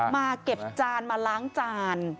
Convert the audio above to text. มาเก็บจานมาล้างจาน